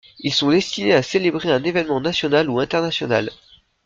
Ils sont destinés à célébrer un événement national ou international.